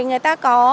người ta có